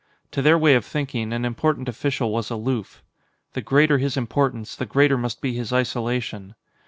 To their way of thinking, an important official was aloof. The greater his importance, the greater must be his isolation.